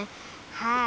はい。